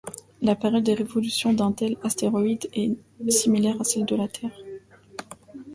La période de révolution d'un tel astéroïde est similaire à celle de la Terre.